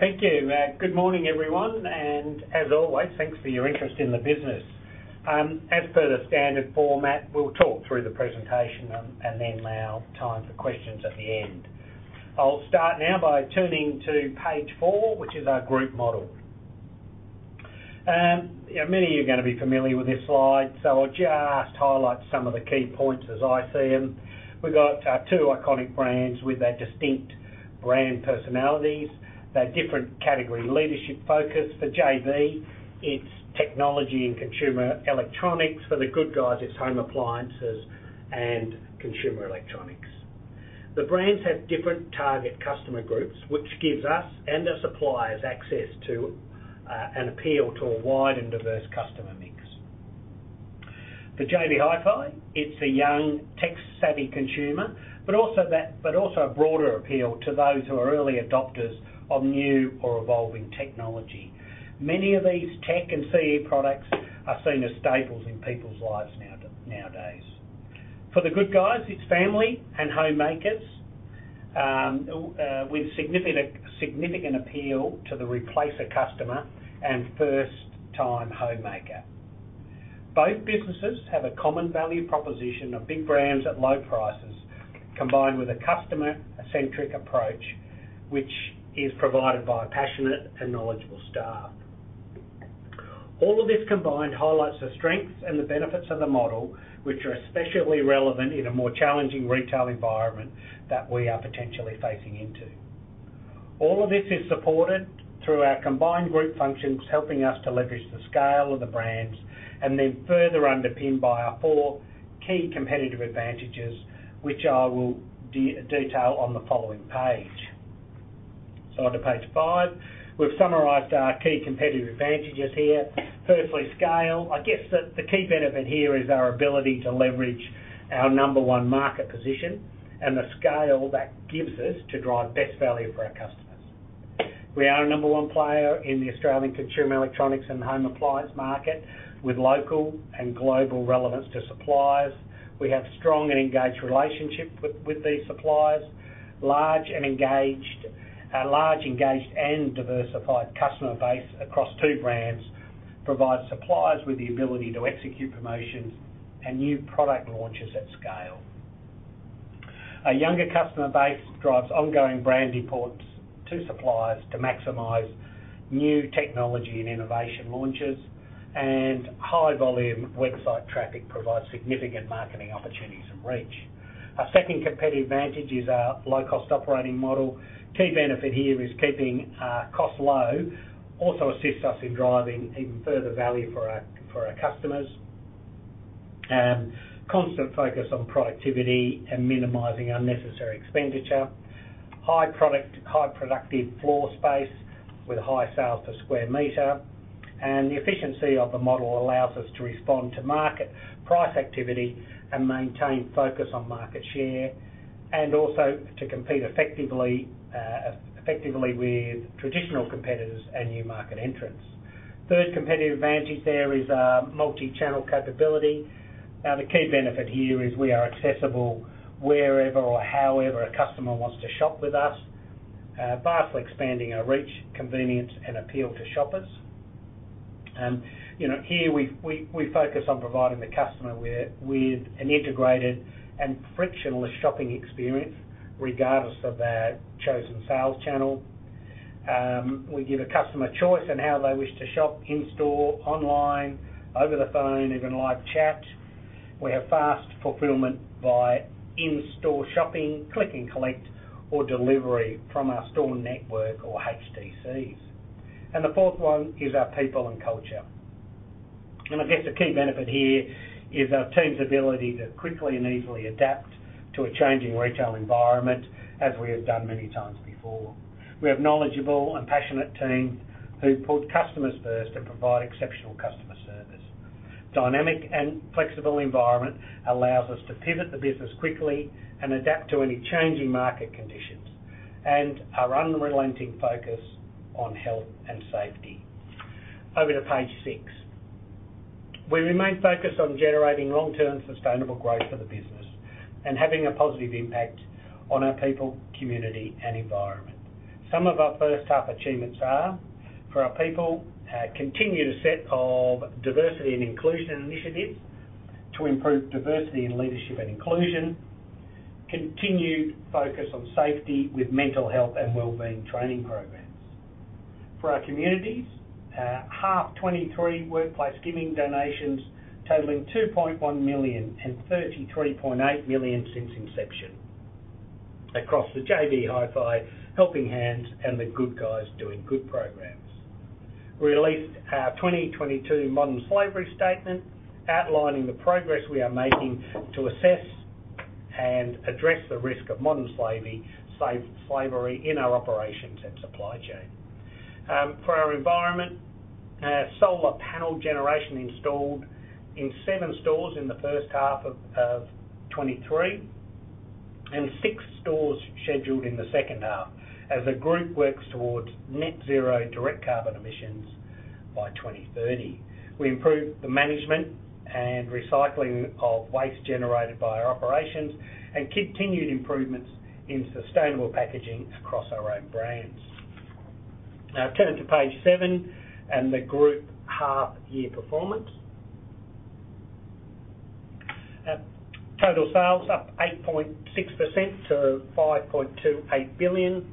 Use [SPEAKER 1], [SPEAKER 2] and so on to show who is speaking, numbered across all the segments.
[SPEAKER 1] Thank you. Good morning, everyone. Thanks for your interest in the business. As per the standard format, we'll talk through the presentation and then allow time for questions at the end. I'll start now by turning to Page four, which is our group model. Many of you are gonna be familiar with this slide, so I'll just highlight some of the key points as I see them. We've got two iconic brands with their distinct brand personalities. They have different category leadership focus. For JB, it's technology and consumer electronics. For The Good Guys, it's home appliances and consumer electronics. The brands have different target customer groups, which gives us and our suppliers access to and appeal to a wide and diverse customer mix. For JB Hi-Fi, it's a young, tech-savvy consumer, but also a broader appeal to those who are early adopters of new or evolving technology. Many of these tech and CE products are seen as staples in people's lives nowadays. For The Good Guys, it's family and homemakers, with significant appeal to the replacer customer and first-time homemaker. Both businesses have a common value proposition of big brands at low prices, combined with a customer-centric approach, which is provided by a passionate and knowledgeable staff. All of this combined highlights the strengths and the benefits of the model, which are especially relevant in a more challenging retail environment that we are potentially facing into. All of this is supported through our combined group functions, helping us to leverage the scale of the brands further underpinned by our four key competitive advantages, which I will detail on the following page. On to Page five. We've summarized our key competitive advantages here. Firstly, scale. I guess the key benefit here is our ability to leverage our number one market position and the scale that gives us to drive best value for our customers. We are a number one player in the Australian consumer electronics and home appliance market, with local and global relevance to suppliers. We have strong and engaged relationships with these suppliers. Large, engaged, and diversified customer base across two brands, provides suppliers with the ability to execute promotions and new product launches at scale. A younger customer base drives ongoing brand importance to suppliers to maximize new technology and innovation launches, and high volume website traffic provides significant marketing opportunities and reach. Our second competitive advantage is our low cost operating model. Key benefit here is keeping cost low, also assists us in driving even further value for our customers. Constant focus on productivity and minimizing unnecessary expenditure. High productive floor space with high sales per square meter. The efficiency of the model allows us to respond to market price activity and maintain focus on market share, and also to compete effectively with traditional competitors and new market entrants. Third competitive advantage there is our multi-channel capability.
[SPEAKER 2] The key benefit here is we are accessible wherever or however a customer wants to shop with us, vastly expanding our reach, convenience, and appeal to shoppers. You know, here we focus on providing the customer with an integrated and frictionless shopping experience regardless of their chosen sales channel. We give a customer choice in how they wish to shop: in-store, online, over the phone, even live chat. We have fast fulfillment via in-store shopping, click and collect, or delivery from our store network or HDCs. The fourth one is our people and culture. I guess the key benefit here is our team's ability to quickly and easily adapt to a changing retail environment, as we have done many times before. We have knowledgeable and passionate teams who put customers first and provide exceptional customer service.
[SPEAKER 1] Dynamic and flexible environment allows us to pivot the business quickly and adapt to any changing market conditions. Our unrelenting focus on health and safety. Over to Page six. We remain focused on generating long-term sustainable growth for the business and having a positive impact on our people, community, and environment. Some of our first half achievements are, for our people, continued a set of diversity and inclusion initiatives to improve diversity in leadership and inclusion, continued focus on safety with mental health and wellbeing training programs. For our communities, half 2023 workplace giving donations totaling 2.1 million and 33.8 million since inception across the JB Hi-Fi Helping Hands and The Good Guys Doing Good programs. Released our 2022 modern slavery statement outlining the progress we are making to assess and address the risk of modern slavery in our operations and supply chain. For our environment, solar panel generation installed in seven stores in the first half of 2023 and six stores scheduled in the second half as the group works towards net zero direct carbon emissions by 2030. We improved the management and recycling of waste generated by our operations and continued improvements in sustainable packaging across our own brands. Turn to Page seven and the group half year performance. Total sales up 8.6% to 5.28 billion.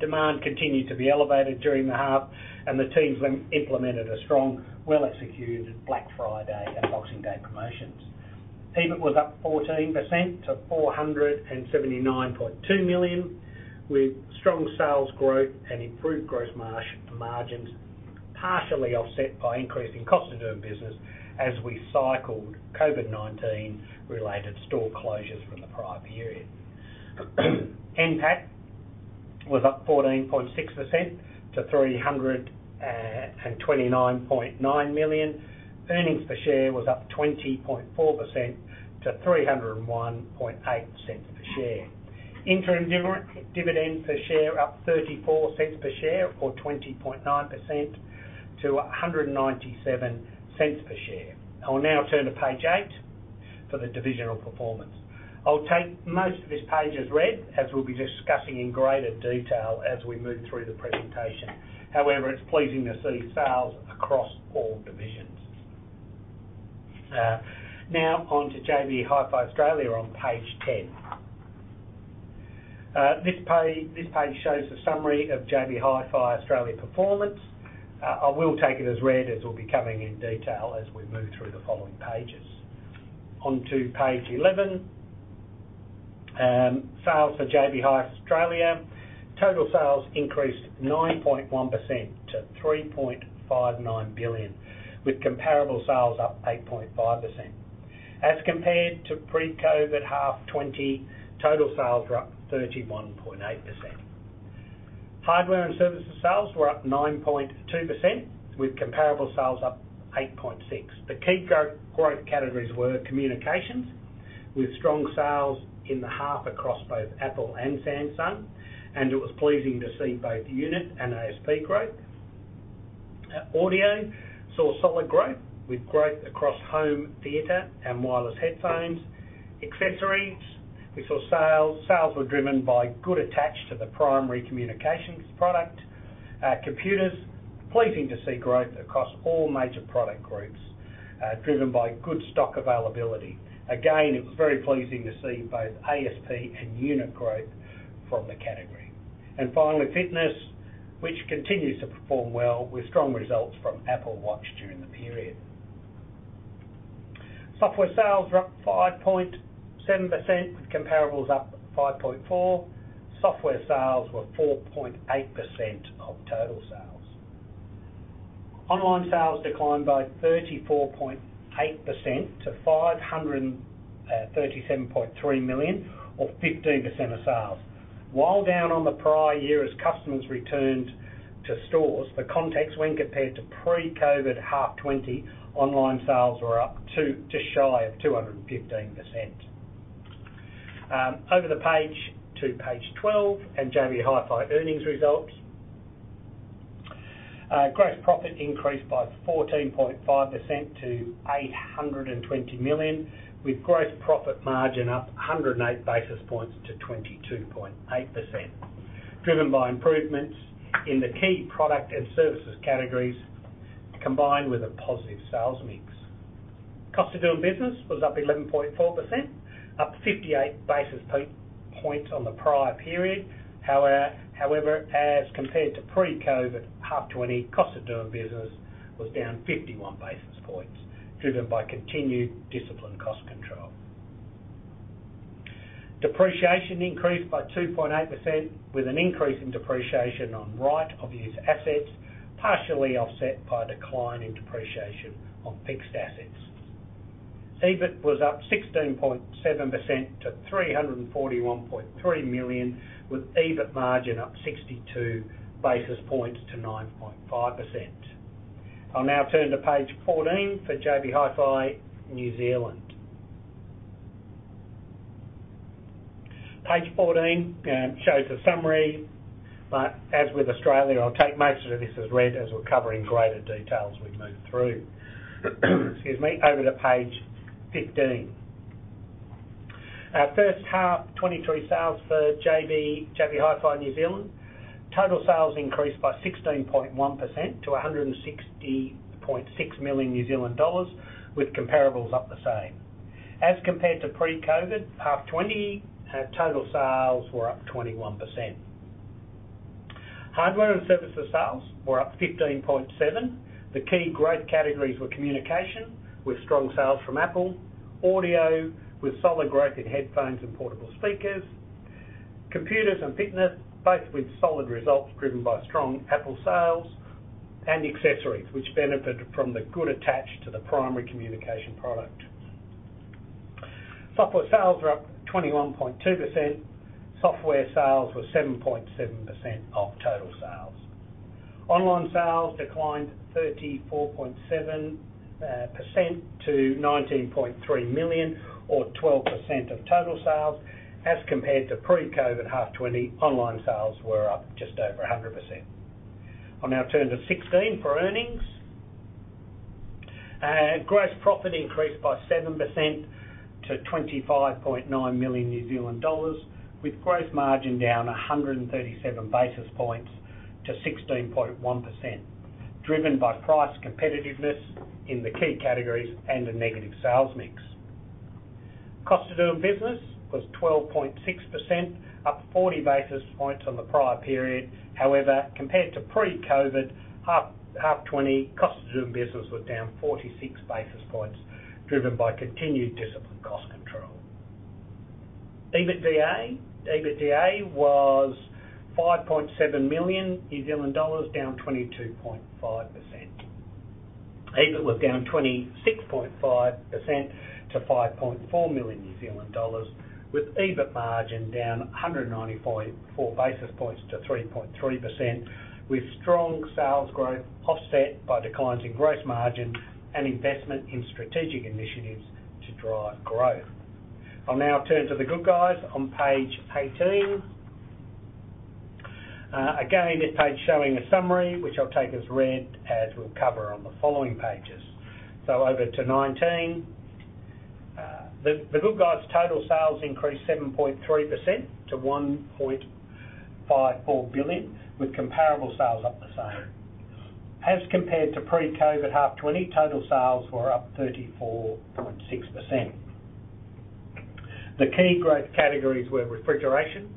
[SPEAKER 1] Demand continued to be elevated during the half. The teams then implemented a strong, well executed Black Friday and Boxing Day promotions. EBIT was up 14% to 479.2 million, with strong sales growth and improved gross margin partially offset by increasing cost of doing business as we cycled COVID-19 related store closures from the prior period. NPAT was up 14.6% to 329.9 million. Earnings per share was up 20.4% to 3.018 per share. Interim dividend per share up 0.34 per share or 20.9% to 1.97 per share. I will now turn to Page eight for the divisional performance. I'll take most of this page as read, as we'll be discussing in greater detail as we move through the presentation. It's pleasing to see sales across all divisions. Now on to JB Hi-Fi Australia on Page 10. This page shows the summary of JB Hi-Fi Australia performance. I will take it as read as we'll be covering in detail as we move through the following pages. On to Page 11. Sales for JB Hi-Fi Australia. Total sales increased 9.1% to 3.59 billion, with comparable sales up 8.5%. As compared to pre-COVID half 2020, total sales were up 31.8%. Hardware and services sales were up 9.2%, with comparable sales up 8.6%. The key growth categories were communications, with strong sales in the half across both Apple and Samsung, and it was pleasing to see both unit and ASP growth. Audio saw solid growth, with growth across home theater and wireless headphones. Accessories, we saw sales. Sales were driven by good attach to the primary communications product. Computers, pleasing to see growth across all major product groups, driven by good stock availability. Again, it was very pleasing to see both ASP and unit growth from the category. Finally, fitness, which continues to perform well with strong results from Apple Watch during the period. Software sales were up 5.7%, with comparables up 5.4%. Software sales were 4.8% of total sales. Online sales declined by 34.8% to 537.3 million, or 15% of sales. While down on the prior year as customers returned to stores, the context when compared to pre-COVID half 2020, online sales were up to just shy of 215%. Over the page to Page 12 and JB Hi-Fi earnings results. Gross profit increased by 14.5% to AUD 820 million, with gross profit margin up 108 basis points on the prior period. However, as compared to pre-COVID half 2020, cost of doing business was down 51 basis points, driven by continued disciplined cost control. Depreciation increased by 2.8%, with an increase in depreciation on right-of-use assets, partially offset by a decline in depreciation on fixed assets. EBIT was up 16.7% to 341.3 million, with EBIT margin up 62 basis points to 9.5%. I'll now turn to Page 14 for JB Hi-Fi New Zealand. Page 14 shows a summary, as with Australia, I'll take most of this as read as we'll cover in greater detail as we move through. Excuse me. Over to Page 15. Our first half 2023 sales for JB Hi-Fi New Zealand. Total sales increased by 16.1% to 160.6 million New Zealand dollars, with comparables up the same. As compared to pre-COVID half 2020, total sales were up 21%. Hardware and services sales were up 15.7%. The key growth categories were communication, with strong sales from Apple. Audio, with solid growth in headphones and portable speakers. Computers and fitness, both with solid results driven by strong Apple sales. Accessories, which benefited from the good attach to the primary communication product. Software sales were up 21.2%. Software sales were 7.7% of total sales. Online sales declined 34.7% to 19.3 million, or 12% of total sales. As compared to pre-COVID-19 half 20, online sales were up just over 100%. I'll now turn to 16 for earnings. Gross profit increased by 7% to 25.9 million New Zealand dollars, with gross margin down 137 basis points to 16.1%, driven by price competitiveness in the key categories and a negative sales mix. Cost to do business was 12.6%, up 40 basis points on the prior period. Compared to pre-COVID-19 half 20, cost to do business was down 46 basis points, driven by continued disciplined cost control. EBITDA was 5.7 million New Zealand dollars, down 22.5%. EBIT was down 26.5% to 5.4 million New Zealand dollars, with EBIT margin down 194 basis points to 3.3%, with strong sales growth offset by declines in gross margin and investment in strategic initiatives to drive growth. I'll now turn to The Good Guys on Page 18. Again, this page showing a summary, which I'll take as read as we'll cover on the following pages. Over to 19. The Good Guys total sales increased 7.3% to 1.54 billion, with comparable sales up the same. As compared to pre-COVID half 2020, total sales were up 34.6%. The key growth categories were refrigeration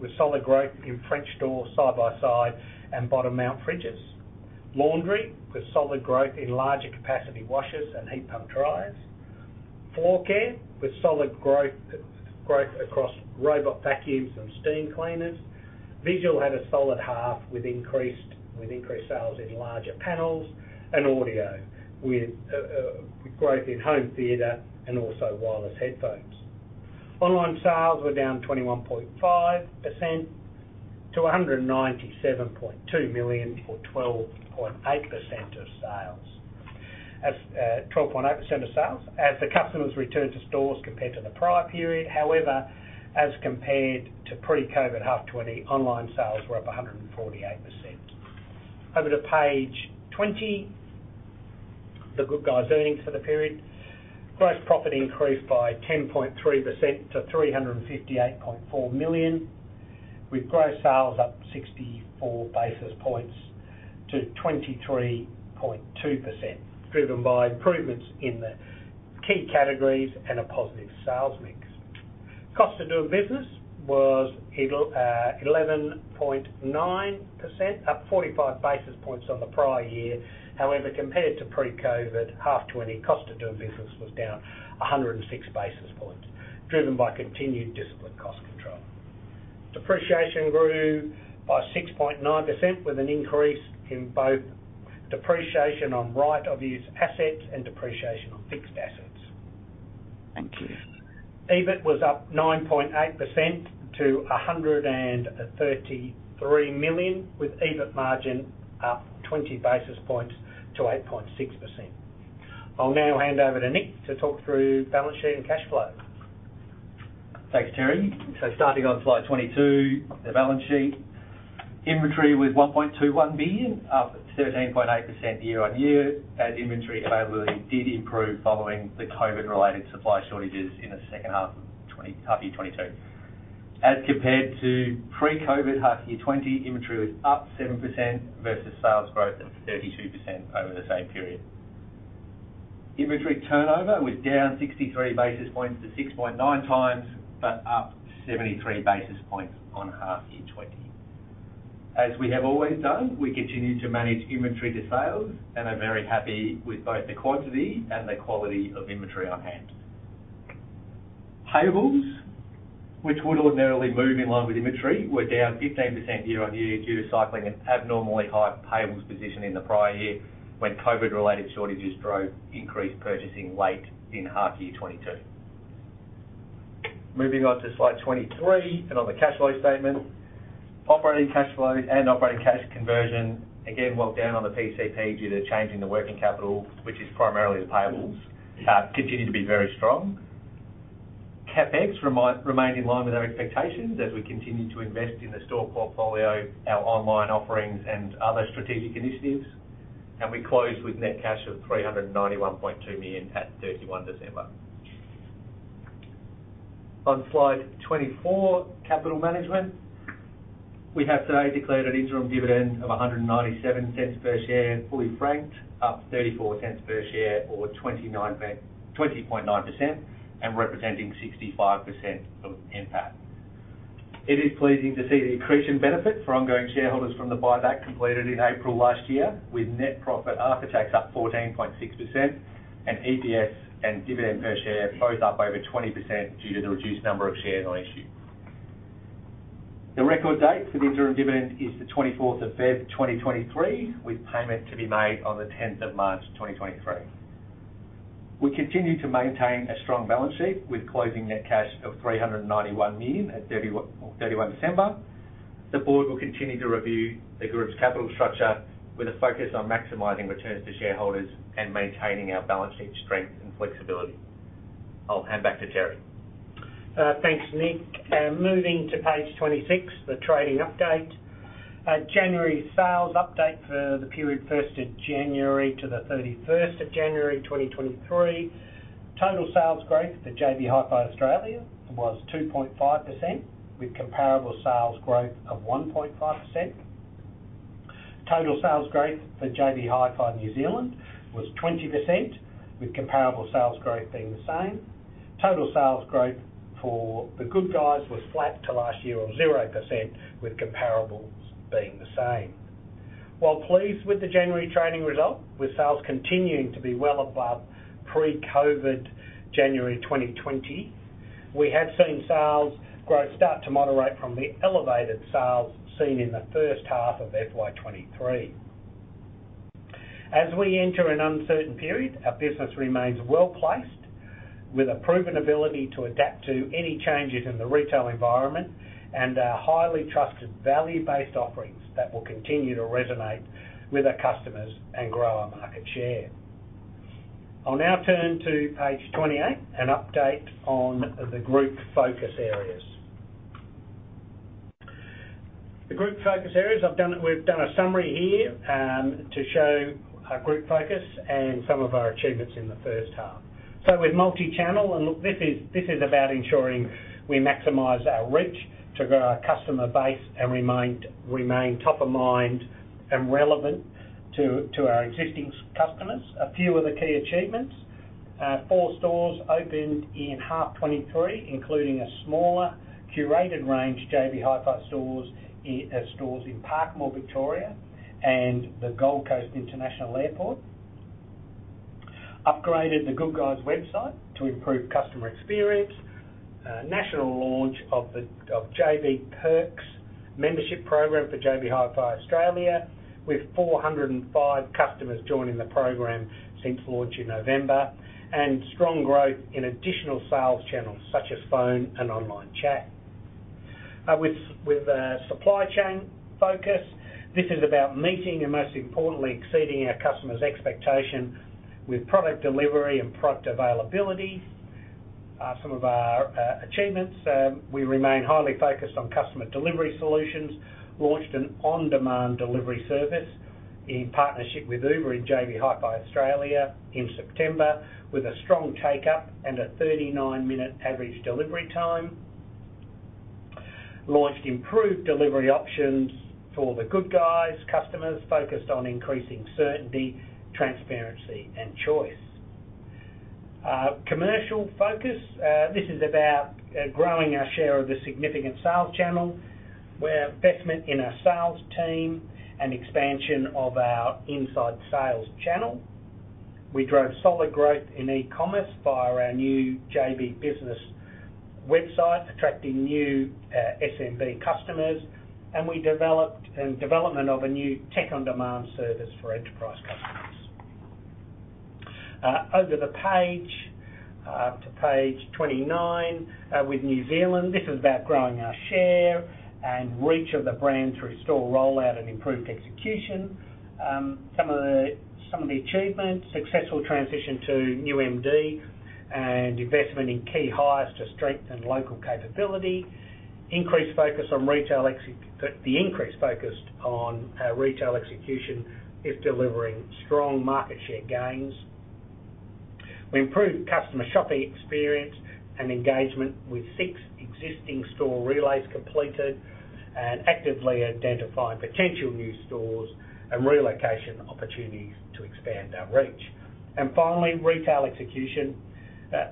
[SPEAKER 1] with solid growth in French door, side by side, and bottom mount fridges. Laundry, with solid growth in larger capacity washers and heat pump dryers. Floor care, with solid growth across robot vacuums and steam cleaners. Visual had a solid half with increased sales in larger panels. Audio, with growth in home theater and also wireless headphones. Online sales were down 21.5% to 197.2 million, or 12.8% of sales. 12.8% of sales as the customers returned to stores compared to the prior period. As compared to pre-COVID half 2020, online sales were up 148%. Over to Page 20. The Good Guys earnings for the period. Gross profit increased by 10.3% to 358.4 million, with gross sales up 64 basis points to 23.2%, driven by improvements in the key categories and a positive sales mix. Cost of doing business was 11.9%, up 45 basis points on the prior year. Compared to pre-COVID half 2020, cost of doing business was down 106 basis points, driven by continued disciplined cost control. Depreciation grew by 6.9% with an increase in both depreciation on right-of-use assets and depreciation on fixed assets.
[SPEAKER 3] Thank you.
[SPEAKER 1] EBIT was up 9.8% to 133 million, with EBIT margin up 20 basis points to 8.6%. I'll now hand over to Nick to talk through balance sheet and cash flow.
[SPEAKER 3] Thanks, Terry. Starting on Slide 22, the balance sheet. Inventory was $1.21 billion, up at 13.8% year-on-year as inventory availability did improve following the COVID-related supply shortages in the second half of 2020, half year 2022. Compared to pre-COVID half year 2020, inventory was up 7% versus sales growth of 32% over the same period. Inventory turnover was down 63 basis points to 6.9x, up 73 basis points on half year 2020. As we have always done, we continue to manage inventory to sales and are very happy with both the quantity and the quality of inventory on hand. Payables, which would ordinarily move in line with inventory, were down 15% year-on-year due to cycling an abnormally high payables position in the prior year, when COVID-related shortages drove increased purchasing late in half year 2022. Moving on to Slide 23 and on the cash flow statement. Operating cash flow and operating cash conversion, again, well down on the PCP due to changing the working capital, which is primarily the payables, continue to be very strong. CapEx remained in line with our expectations as we continue to invest in the store portfolio, our online offerings, and other strategic initiatives. We closed with net cash of $391.2 million at 31 December. On Slide 24, capital management. We have today declared an interim dividend of 1.97 per share, fully franked, up 0.34 per share or 20.9% and representing 65% of NPAT. It is pleasing to see the accretion benefit for ongoing shareholders from the buyback completed in April last year with net profit after tax up 14.6%, and EPS and dividend per share both up over 20% due to the reduced number of shares on issue. The record date for the interim dividend is the 24th of February 2023, with payment to be made on the 10th of March 2023. We continue to maintain a strong balance sheet with closing net cash of 391 million at 31 December. The board will continue to review the group's capital structure with a focus on maximizing returns to shareholders and maintaining our balance sheet strength and flexibility. I'll hand back to Terry.
[SPEAKER 1] Thanks, Nick. Moving to Page 26, the trading update. January sales update for the period 1st of January to the 31st of January 2023. Total sales growth for JB Hi-Fi Australia was 2.5% with comparable sales growth of 1.5%. Total sales growth for JB Hi-Fi New Zealand was 20% with comparable sales growth being the same. Total sales growth for The Good Guys was flat to last year of 0% with comparables being the same. While pleased with the January trading result, with sales continuing to be well above pre-COVID January 2020, we have seen sales growth start to moderate from the elevated sales seen in the first half of FY 2023. As we enter an uncertain period, our business remains well-placed with a proven ability to adapt to any changes in the retail environment and our highly trusted value-based offerings that will continue to resonate with our customers and grow our market share. I'll now turn to Page 28, an update on the group focus areas. The group focus areas, we've done a summary here to show our group focus and some of our achievements in the first half. With multi-channel, and look, this is about ensuring we maximize our reach to grow our customer base and remain top of mind and relevant to our existing customers. A few of the key achievements. Four stores opened in half 2023, including a smaller curated range JB Hi-Fi stores in Parkmore, Victoria, and the Gold Coast International Airport. Upgraded The Good Guys website to improve customer experience. National launch of JB Perks membership program for JB Hi-Fi Australia, with 405 customers joining the program since launch in November. Strong growth in additional sales channels such as phone and online chat. With the supply chain focus, this is about meeting and most importantly, exceeding our customers' expectation with product delivery and product availability. Some of our achievements, we remain highly focused on customer delivery solutions, launched an on-demand delivery service in partnership with Uber in JB Hi-Fi Australia in September, with a strong take-up and a 39-minute average delivery time. Launched improved delivery options for The Good Guys customers, focused on increasing certainty, transparency, and choice. Commercial focus, this is about growing our share of the significant sales channel, where investment in our sales team and expansion of our inside sales channel. We drove solid growth in e-commerce via our new JB Business website, attracting new SMB customers, and we developed a new Tech on Demand service for enterprise customers. Over the page, to Page 29, with New Zealand, this is about growing our share and reach of the brand through store rollout and improved execution. Some of the achievements, successful transition to new MD and investment in key hires to strengthen local capability. The increase focused on retail execution is delivering strong market share gains. We improved customer shopping experience and engagement with six existing store relays completed and actively identifying potential new stores and relocation opportunities to expand our reach. Finally, retail execution.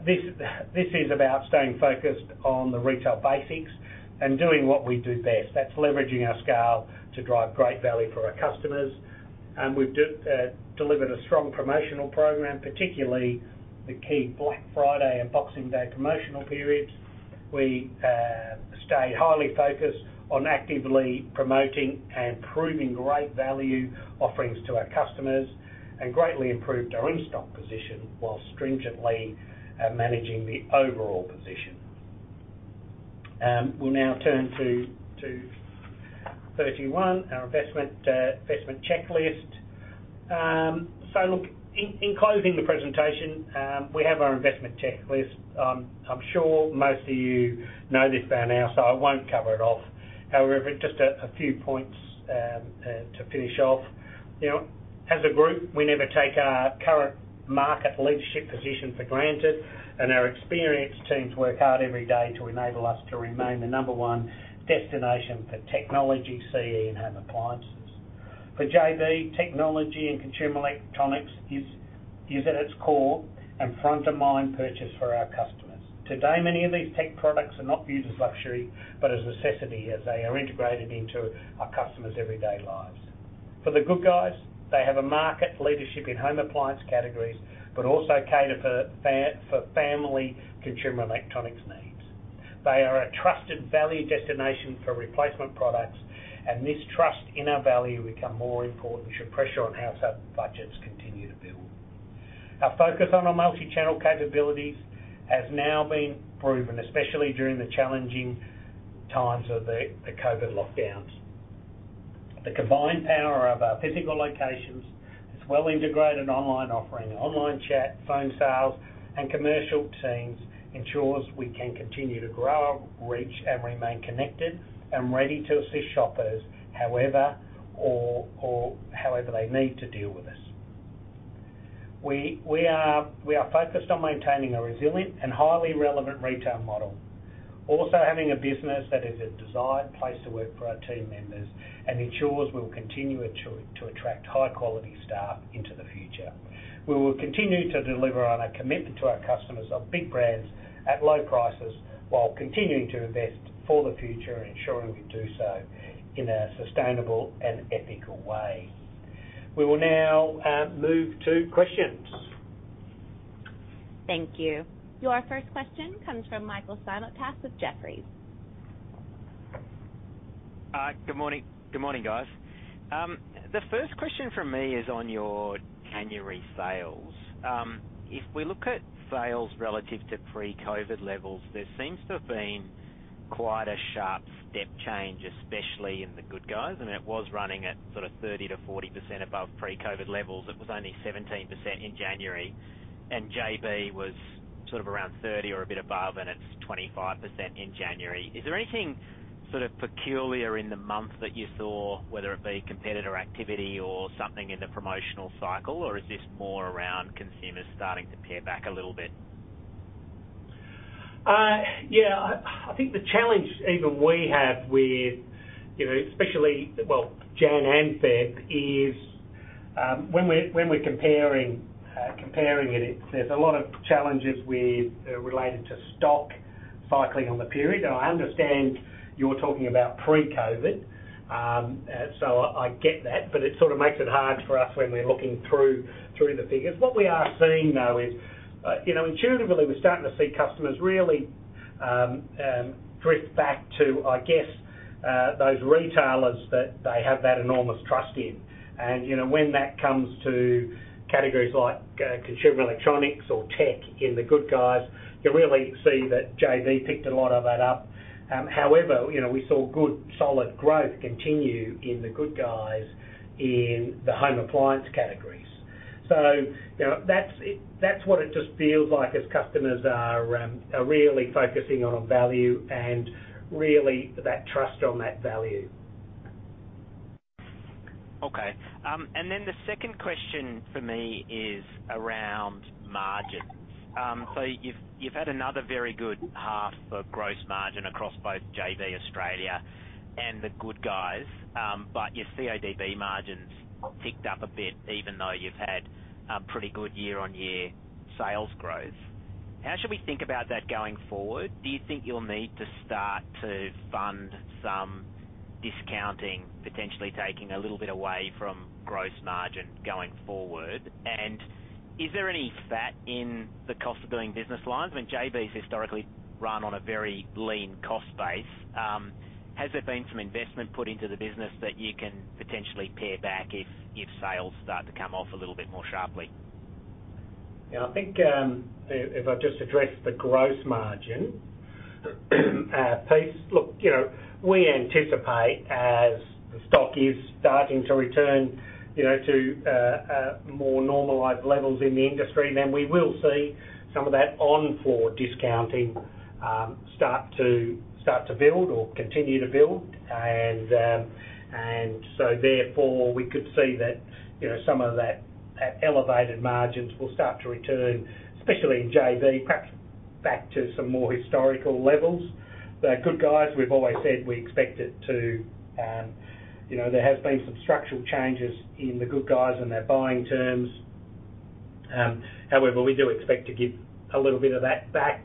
[SPEAKER 1] This is about staying focused on the retail basics and doing what we do best. That's leveraging our scale to drive great value for our customers. We delivered a strong promotional program, particularly the key Black Friday and Boxing Day promotional periods. We stayed highly focused on actively promoting and proving great value offerings to our customers, and greatly improved our in-stock position while stringently managing the overall position. We'll now turn to 31, our investment checklist. Look, in closing the presentation, we have our investment checklist. I'm sure most of you know this by now, so I won't cover it off. Just a few points to finish off. You know, as a group, we never take our current market leadership position for granted. Our experienced teams work hard every day to enable us to remain the number one destination for technology, CE, and home appliances. For JB, technology and consumer electronics is at its core and front of mind purchase for our customers. Today, many of these tech products are not used as luxury, but as necessity as they are integrated into our customers' everyday lives. For The Good Guys, they have a market leadership in home appliance categories, also cater for family consumer electronics needs. They are a trusted value destination for replacement products, this trust in our value become more important should pressure on household budgets continue to build. Our focus on our multi-channel capabilities has now been proven, especially during the challenging times of the COVID lockdowns. The combined power of our physical locations is well integrated online offering online chat, phone sales, and commercial teams ensures we can continue to grow our reach and remain connected and ready to assist shoppers however or however they need to deal with us. We are focused on maintaining a resilient and highly relevant retail model. Also, having a business that is a desired place to work for our team members and ensures we'll continue to attract high quality staff into the future. We will continue to deliver on our commitment to our customers of big brands at low prices while continuing to invest for the future and ensuring we do so in a sustainable and ethical way. We will now move to questions.
[SPEAKER 4] Thank you. Your first question comes from Michael Simotas with Jefferies.
[SPEAKER 5] Good morning. Good morning, guys. The first question from me is on your January sales. If we look at sales relative to pre-COVID levels, there seems to have been quite a sharp step change, especially in The Good Guys, and it was running at 30%-40% above pre-COVID levels. It was only 17% in January, and JB was around 30% or a bit above, and it's 25% in January. Is there anything peculiar in the month that you saw, whether it be competitor activity or something in the promotional cycle, or is this more around consumers starting to pare back a little bit?
[SPEAKER 1] Yeah. I think the challenge even we have with, you know, especially, well, Jan and Feb is when we're comparing it, there's a lot of challenges with related to stock cycling on the period. I understand you're talking about pre-COVID. I get that, it sort of makes it hard for us when we're looking through the figures. What we are seeing, though, is, you know, intuitively we're starting to see customers really drift back to, I guess, those retailers that they have that enormous trust in. You know, when that comes to categories like consumer electronics or tech in The Good Guys, you really see that JB picked a lot of that up. However, you know, we saw good solid growth continue in The Good Guys in the home appliance categories. You know, that's what it just feels like as customers are really focusing on value and really that trust on that value.
[SPEAKER 5] Okay. Then the second question for me is around margin. You've had another very good half of gross margin across both JB Hi-Fi Australia and The Good Guys. Your CODB margins ticked up a bit even though you've had a pretty good year-on-year sales growth. How should we think about that going forward? Do you think you'll need to start to fund some discounting, potentially taking a little bit away from gross margin going forward? Is there any fat in the cost of doing business lines? I mean, JB's historically run on a very lean cost base. Has there been some investment put into the business that you can potentially pare back if sales start to come off a little bit more sharply?
[SPEAKER 1] Yeah. I think, if I just address the gross margin piece. Look, you know, we anticipate as the stock is starting to return, you know, to more normalized levels in the industry, then we will see some of that on-floor discounting start to build or continue to build. Therefore, we could see that, you know, some of that elevated margins will start to return, especially in JB, perhaps back to some more historical levels. The Good Guys, we've always said we expect it to, you know, there has been some structural changes in The Good Guys and their buying terms. However, we do expect to give a little bit of that back,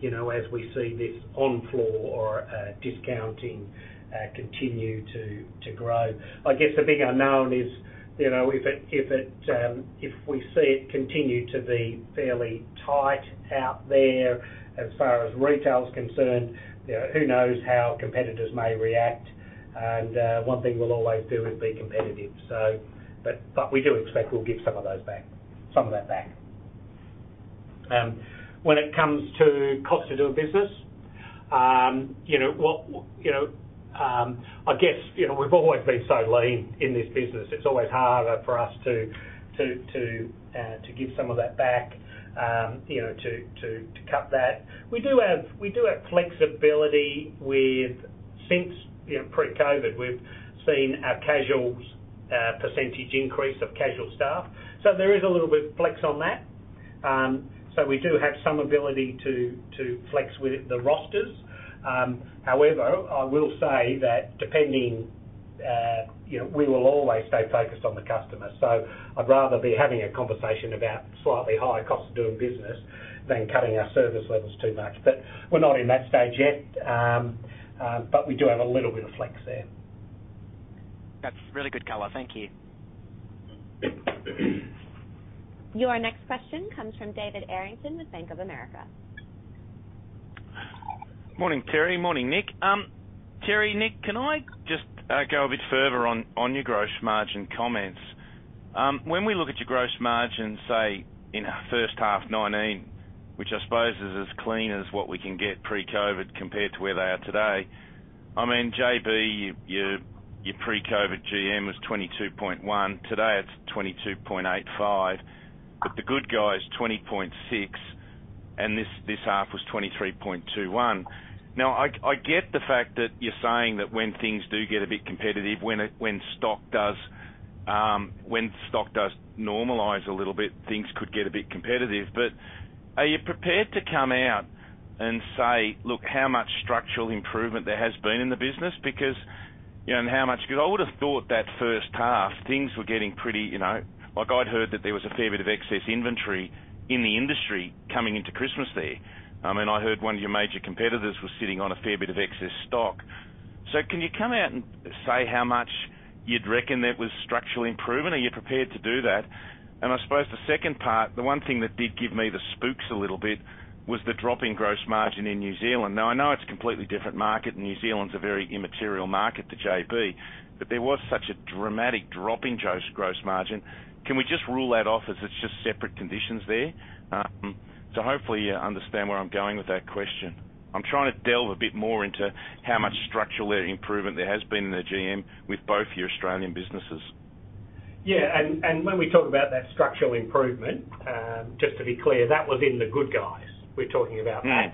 [SPEAKER 1] you know, as we see this on-floor discounting continue to grow. I guess the big unknown is, you know, if it, if we see it continue to be fairly tight out there as far as retail is concerned, you know, who knows how competitors may react. One thing we'll always do is be competitive. We do expect we'll give some of those back, some of that back. When it comes to cost of doing business, you know, well, you know, I guess, you know, we've always been so lean in this business. It's always harder for us to give some of that back, you know, to cut that. We do have flexibility with since, you know, pre-COVID, we've seen our casuals, percentage increase of casual staff. There is a little bit of flex on that. We do have some ability to flex with the rosters. However, I will say that depending, you know, we will always stay focused on the customer. I'd rather be having a conversation about slightly higher cost of doing business than cutting our service levels too much. We're not in that stage yet. We do have a little bit of flex there.
[SPEAKER 5] That's really good color. Thank you.
[SPEAKER 4] Your next question comes from David Errington with Bank of America.
[SPEAKER 2] Morning, Terry. Morning, Nick. Terry, Nick, can I just go a bit further on your gross margin comments? When we look at your gross margin, say, in first half 2019, which I suppose is as clean as what we can get pre-COVID compared to where they are today. I mean, JB, your pre-COVID GM was 22.1%. Today it's 22.85%, but The Good Guys, 20.6%, and this half was 23.21%. Now, I get the fact that you're saying that when things do get a bit competitive, when stock does normalize a little bit, things could get a bit competitive. Are you prepared to come out and say, "Look, how much structural improvement there has been in the business?" Because you know, and how much good? I would have thought that first half things were getting pretty, you know. Like, I'd heard that there was a fair bit of excess inventory in the industry coming into Christmas there. I mean, I heard one of your major competitors was sitting on a fair bit of excess stock. Can you come out and say how much you'd reckon that was structurally improving? Are you prepared to do that? I suppose the second part, the one thing that did give me the spooks a little bit was the drop in gross margin in New Zealand. Now, I know it's a completely different market, and New Zealand's a very immaterial market to JB, but there was such a dramatic drop in gross margin. Can we just rule that off as it's just separate conditions there? Hopefully you understand where I'm going with that question. I'm trying to delve a bit more into how much structural improvement there has been in the GM with both your Australian businesses.
[SPEAKER 1] Yeah, when we talk about that structural improvement, just to be clear, that was in The Good Guys, we're talking about.
[SPEAKER 2] Right.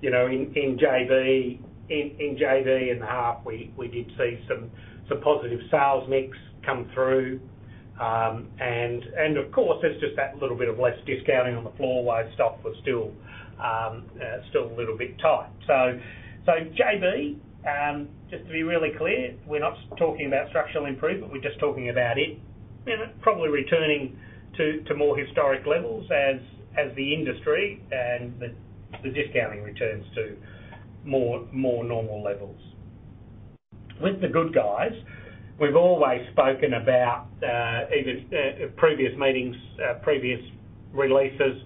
[SPEAKER 1] You know, in JB in the half, we did see some positive sales mix come through. Of course, there's just that little bit of less discounting on the floor while stock was still a little bit tight. JB, just to be really clear, we're not talking about structural improvement, we're just talking about it, you know, probably returning to more historic levels as the industry and the discounting returns to more normal levels. With The Good Guys, we've always spoken about, even at previous meetings, previous releases,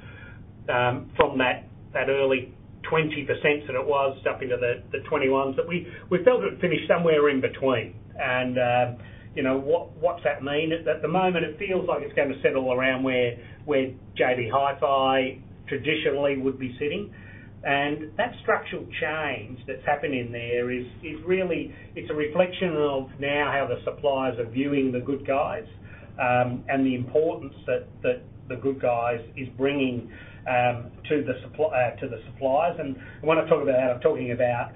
[SPEAKER 1] from that early 20% that it was up into the 21%, that we felt it would finish somewhere in between. You know, what's that mean? At the moment it feels like it's going to settle around where JB Hi-Fi traditionally would be sitting. That structural change that's happening there is really, it's a reflection of now how the suppliers are viewing The Good Guys, and the importance that The Good Guys is bringing to the suppliers. When I talk about that, I'm talking about,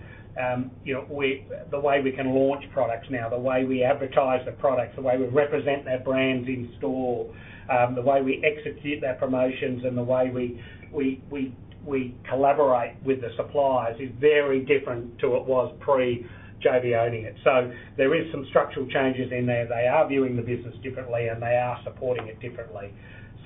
[SPEAKER 1] you know, the way we can launch products now, the way we advertise the products, the way we represent our brands in store, the way we execute our promotions and the way we collaborate with the suppliers is very different to it was pre JB owning it. There is some structural changes in there. They are viewing the business differently, and they are supporting it differently.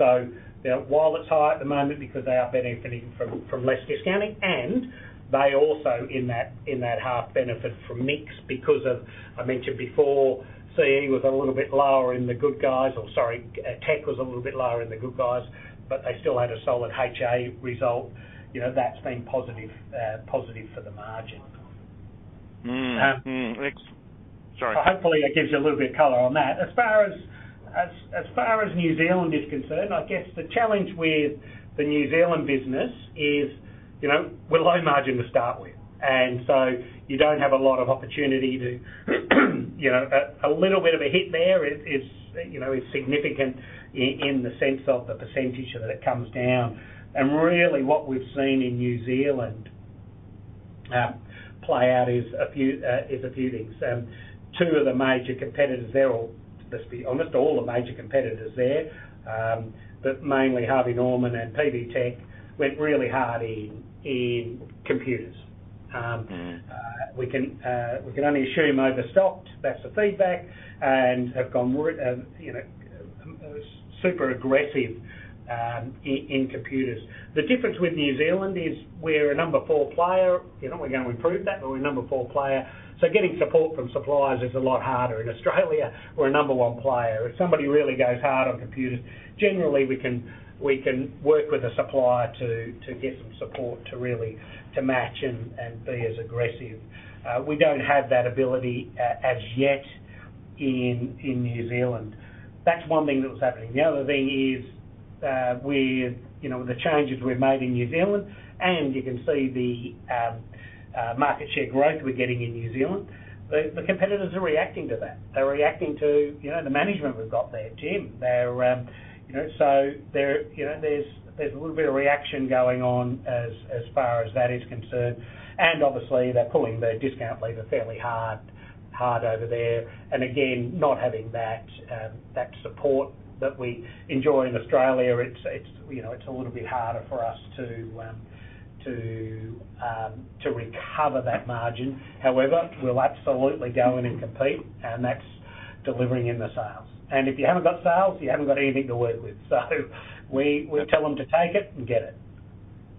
[SPEAKER 1] You know, while it's high at the moment, because they are benefiting from less discounting, and they also in that half benefit from mix because of, I mentioned before, CE was a little bit lower in The Good Guys. Or sorry, tech was a little bit lower in The Good Guys, but they still had a solid HA result. You know, that's been positive for the margin.
[SPEAKER 2] Mm-hmm. Sorry.
[SPEAKER 1] Hopefully, that gives you a little bit of color on that. As far as New Zealand is concerned, I guess the challenge with the New Zealand business is, you know, we're low margin to start with, and so you don't have a lot of opportunity to, you know, a little bit of a hit there is, you know, is significant in the sense of the percentage that it comes down. Really what we've seen in New Zealand play out is a few things. Two of the major competitors there, or just to be honest, all the major competitors there, but mainly Harvey Norman and PB Tech, went really hard in computers. We can only assume overstocked. That's the feedback, have gone, you know, super aggressive in computers. The difference with New Zealand is we're a number four player. You know, we're going to improve that, but we're a number four player, so getting support from suppliers is a lot harder. In Australia, we're a number one player. If somebody really goes hard on computers, generally we can work with the supplier to get some support to really match and be as aggressive. We don't have that ability as yet in New Zealand. That's one thing that was happening. The other thing is, we, you know, the changes we've made in New Zealand, and you can see the market share growth we're getting in New Zealand, the competitors are reacting to that. They're reacting to, you know, the management we've got there, Jim. They're, you know, there's a little bit of reaction going on as far as that is concerned. Obviously, they're pulling the discount lever fairly hard over there. Again, not having that support that we enjoy in Australia, it's, you know, a little bit harder for us to recover that margin. However, we'll absolutely go in and compete, and that's delivering in the sales. If you haven't got sales, you haven't got anything to work with. We tell them to take it and get it.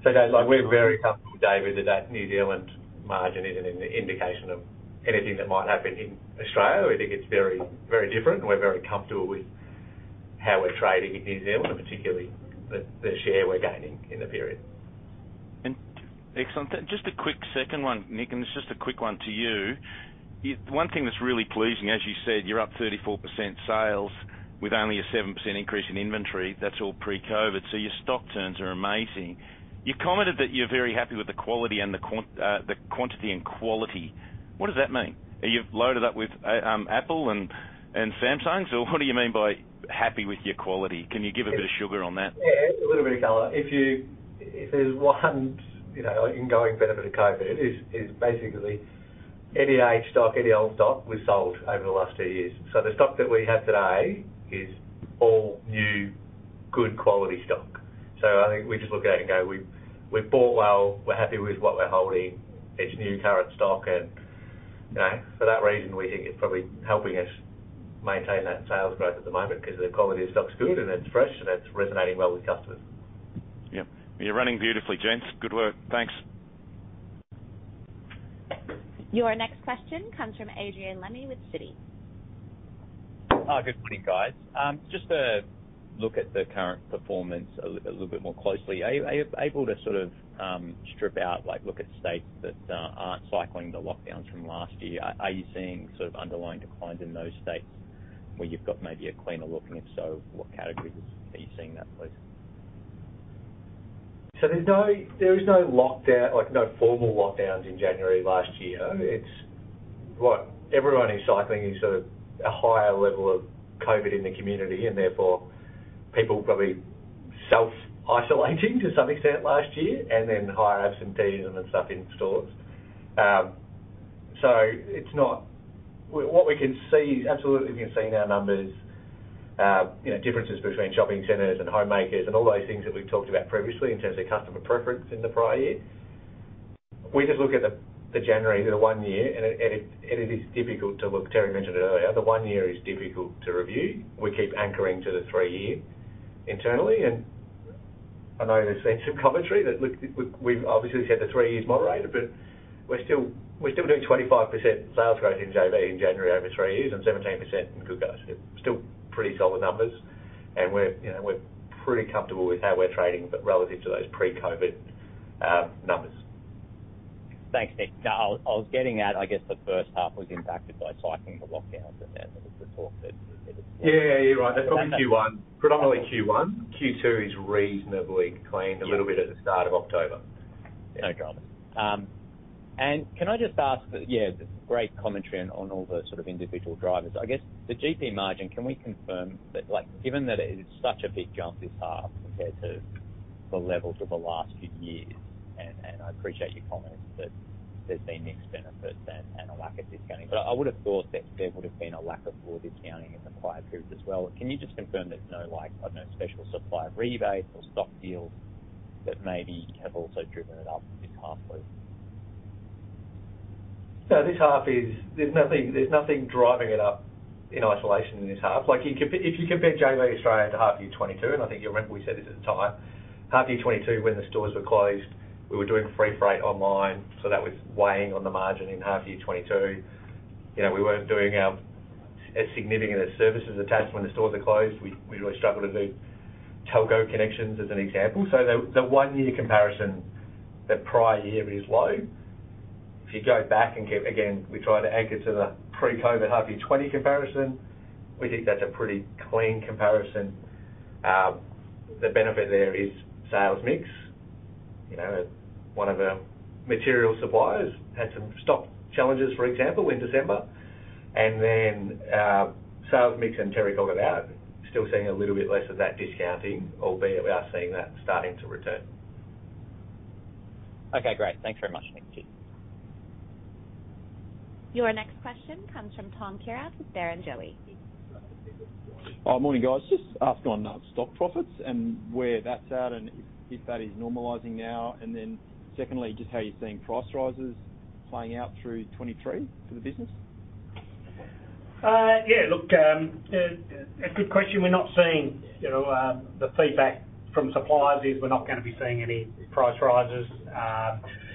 [SPEAKER 2] Guys.
[SPEAKER 3] We're very comfortable, David, that that New Zealand margin isn't an indication of anything that might happen in Australia. We think it's very, very different, and we're very comfortable with how we're trading in New Zealand, and particularly the share we're gaining in the period.
[SPEAKER 2] Excellent. Just a quick second one, Nick, and it's just a quick one to you. One thing that's really pleasing, as you said, you're up 34% sales with only a 7% increase in inventory. That's all pre-COVID. Your stock turns are amazing. You commented that you're very happy with the quantity and quality. What does that mean? You've loaded up with Apple and Samsungs? What do you mean by happy with your quality? Can you give a bit of sugar on that?
[SPEAKER 3] Yeah, a little bit of color. If there's one, you know, ongoing benefit of COVID is basically any age stock, any old stock was sold over the last two years. The stock that we have today is all new, good quality stock. I think we just look at it and go, we've bought well, we're happy with what we're holding. It's new current stock and, you know, for that reason, we think it's probably helping us maintain that sales growth at the moment 'cause the quality of stock's good and it's fresh and it's resonating well with customers.
[SPEAKER 2] Yep. You're running beautifully, gents. Good work. Thanks.
[SPEAKER 4] Your next question comes from Adrian Lemme with Citi.
[SPEAKER 6] Good morning, guys. Just to look at the current performance a little bit more closely. Are you able to sort of, strip out, like, look at states that aren't cycling the lockdowns from last year? Are you seeing sort of underlying declines in those states where you've got maybe a cleaner look? If so, what categories are you seeing that please?
[SPEAKER 3] There's no, there is no lockdown, like, no formal lockdowns in January last year. It's what everyone is cycling is sort of a higher level of COVID in the community, and therefore people probably self-isolating to some extent last year, and then higher absentee and then staff in stores. What we can see, absolutely we can see in our numbers, you know, differences between shopping centers and homemakers and all those things that we've talked about previously in terms of customer preference in the prior year. We just look at the January, the one year, and it is difficult to look. Terry mentioned it earlier, the one year is difficult to review. We keep anchoring to the three-year internally, and I know there's been some commentary that look, we've obviously said the three years moderated, but we're still doing 25% sales growth in JB in January over three years and 17% in Good Guys. Still pretty solid numbers. We're, you know, we're pretty comfortable with how we're trading, but relative to those pre-COVID numbers.
[SPEAKER 6] Thanks, Nick. No, I was getting at, I guess, the first half was impacted by cycling the lockdowns, and that was the thought.
[SPEAKER 3] Yeah. You're right. That's probably Q1, predominantly Q1. Q2 is reasonably cleaned a little bit at the start of October.
[SPEAKER 6] No dramas. Can I just ask, yeah, great commentary on all the sort of individual drivers. I guess the GP margin, can we confirm that, like, given that it is such a big jump this half compared to the levels of the last few years? I appreciate your comments that there's been mixed benefit then and a lack of discounting. I would've thought that there would've been a lack of broad discounting in the prior periods as well. Can you just confirm there's no like, I don't know, special supplier rebates or stock deals that maybe have also driven it up this half please?
[SPEAKER 3] This half is, there's nothing driving it up in isolation in this half. If you compare JB Hi-Fi Australia to half year 2022, and I think you'll remember we said this at the time, half year 2022 when the stores were closed, we were doing free freight online, so that was weighing on the margin in half year 2022. You know, we weren't doing as significant as services attached when the stores are closed. We really struggled to do telco connections as an example. The one year comparison, the prior year is low. If you go back and keep again, we try to anchor to the pre-COVID half year 2020 comparison, we think that's a pretty clean comparison. The benefit there is sales mix. You know, one of our material suppliers had some stock challenges, for example, in December, and then, sales mix, and Terry talked about still seeing a little bit less of that discounting, albeit we are seeing that starting to return.
[SPEAKER 6] Okay, great. Thanks very much, Nick. Cheers.
[SPEAKER 4] Your next question comes from Tom Kierath with Barrenjoey.
[SPEAKER 7] Morning, guys. Just ask on stock profits and where that's at and if that is normalizing now? Then secondly, just how you're seeing price rises playing out through 2023 for the business?
[SPEAKER 1] Yeah, look, a good question. We're not seeing, you know, the feedback from suppliers is we're not gonna be seeing any price rises.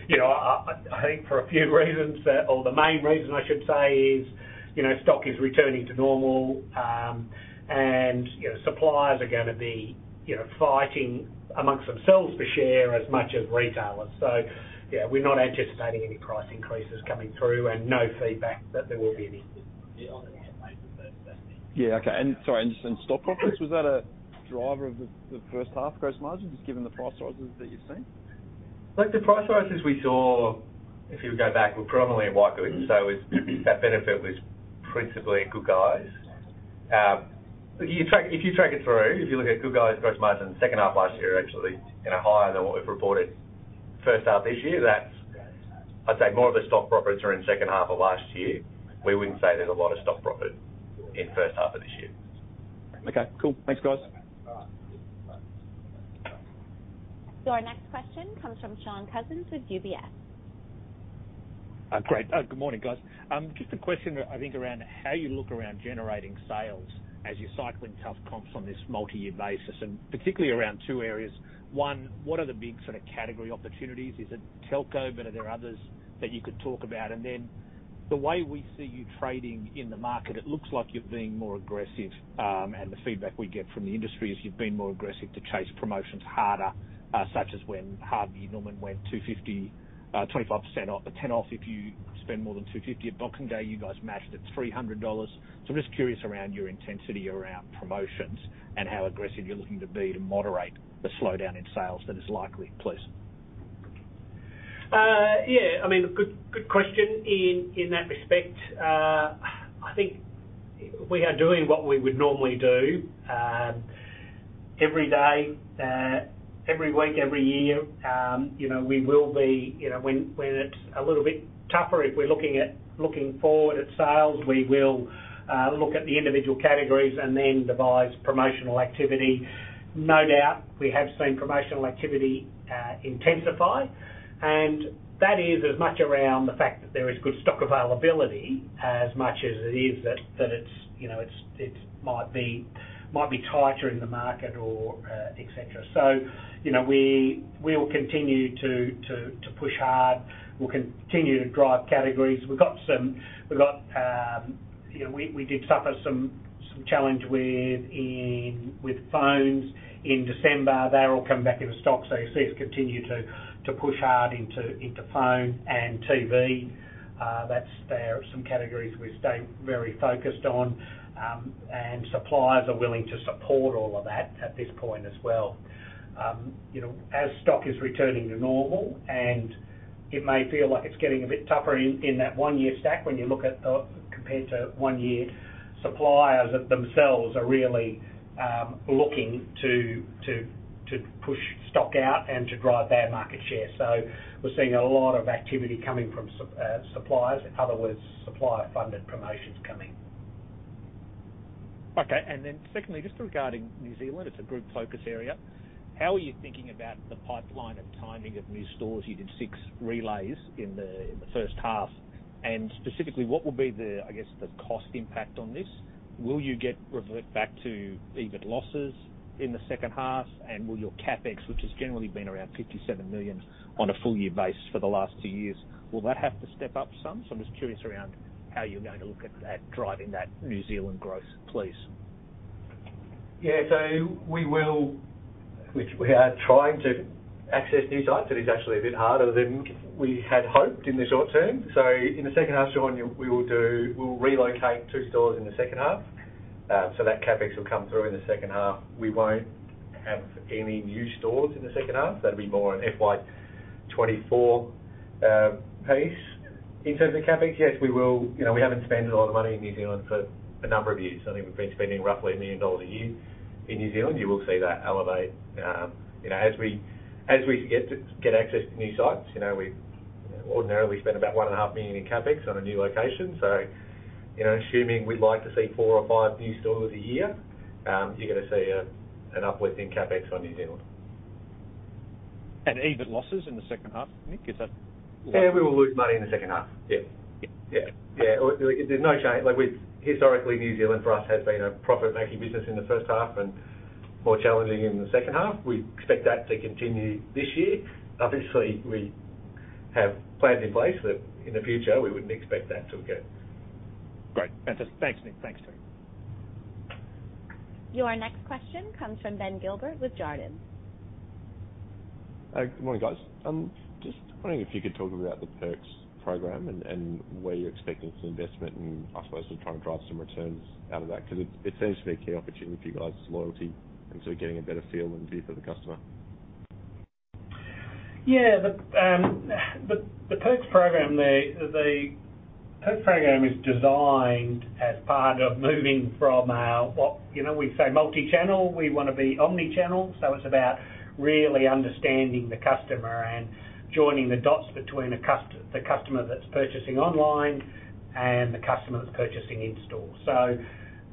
[SPEAKER 1] You know, I think for a few reasons that or the main reason I should say is, you know, stock is returning to normal. You know, suppliers are gonna be, you know, fighting amongst themselves for share as much as retailers. Yeah, we're not anticipating any price increases coming through and no feedback that there will be any.
[SPEAKER 7] Yeah. Okay. Sorry, and stock profits, was that a driver of the first half gross margin, just given the price rises that you've seen?
[SPEAKER 3] Look, the price rises we saw, if you go back, were predominantly in white goods. It's that benefit was principally in The Good Guys. If you track it through, if you look at The Good Guys gross margin second half last year, actually, you know, higher than what we've reported first half this year, that's I'd say more of the stock profits are in second half of last year. We wouldn't say there's a lot of stock profit in first half of this year.
[SPEAKER 7] Okay, cool. Thanks, guys.
[SPEAKER 4] Our next question comes from Shaun Cousins with UBS.
[SPEAKER 8] Great. Good morning, guys. Just a question I think around how you look around generating sales as you're cycling tough comps on this multi-year basis, and particularly around two areas. One, what are the big sort of category opportunities? Is it telco, but are there others that you could talk about? The way we see you trading in the market, it looks like you're being more aggressive, and the feedback we get from the industry is you've been more aggressive to chase promotions harder, such as when Harvey Norman went 250, 25% off, 10% off if you spend more than 250 at Boxing Day, you guys matched at 300 dollars. I'm just curious around your intensity around promotions and how aggressive you're looking to be to moderate the slowdown in sales that is likely. Please.
[SPEAKER 1] Yeah, I mean, good question. In that respect, I think we are doing what we would normally do. Every day, every week, every year, you know, we will be, you know, when it's a little bit tougher, if we're looking forward at sales, we will look at the individual categories and then devise promotional activity. No doubt, we have seen promotional activity intensify, and that is as much around the fact that there is good stock availability as much as it is that it's, you know, it might be tighter in the market or et cetera. You know, we'll continue to push hard. We'll continue to drive categories. We've got, you know, we did suffer some challenge with phones in December. They're all coming back into stock, so you see us continue to push hard into phone and TV. They are some categories we stay very focused on, and suppliers are willing to support all of that at this point as well. You know, as stock is returning to normal, and it may feel like it's getting a bit tougher in that one-year stack when you look at compared to one year, suppliers themselves are really looking to push stock out and to drive their market share. We're seeing a lot of activity coming from suppliers, in other words, supplier-funded promotions coming.
[SPEAKER 8] Okay. Secondly, just regarding New Zealand, it's a group focus area. How are you thinking about the pipeline and timing of new stores? You did six relays in the first half. Specifically, what will be the, I guess, the cost impact on this? Will you revert back to EBIT losses in the second half? Will your CapEx, which has generally been around $57 million on a full year basis for the last two years, will that have to step up some? I'm just curious around how you're going to look at that, driving that New Zealand growth, please.
[SPEAKER 1] Yeah. We are trying to access new sites. It is actually a bit harder than we had hoped in the short term. In the second half, Shaun, we'll relocate two stores in the second half, so that CapEx will come through in the second half. We won't have any new stores in the second half. That'll be more an FY 2024 piece. In terms of CapEx, yes, we will. You know, we haven't spent a lot of money in New Zealand for a number of years. I think we've been spending roughly $1 million a year in New Zealand. You will see that elevate, you know. As we get access to new sites, you know, we ordinarily spend about $1.5 million in CapEx on a new location. You know, assuming we'd like to see four or five new stores a year, you're gonna see an upward in CapEx on New Zealand.
[SPEAKER 8] EBIT losses in the second half, Nick, is that right?
[SPEAKER 1] Yeah, we will lose money in the second half. Yeah. Yeah. Yeah. There's no change. Like with historically, New Zealand for us has been a profit-making business in the first half and more challenging in the second half. We expect that to continue this year. Obviously, we have plans in place that in the future, we wouldn't expect that to occur.
[SPEAKER 8] Great. Fantastic. Thanks, Nick. Thanks, team.
[SPEAKER 4] Your next question comes from Ben Gilbert with Jarden.
[SPEAKER 9] Good morning, guys. Just wondering if you could talk about the Perks program and where you're expecting some investment, and I suppose just trying to drive some returns out of that because it seems to be a key opportunity for you guys' loyalty? We're getting a better feel and view for the customer.
[SPEAKER 1] The Perks Program there, the Perks Program is designed as part of moving from what we say multi-channel, we wanna be omni-channel, it's about really understanding the customer and joining the dots between the customer that's purchasing online and the customer that's purchasing in store.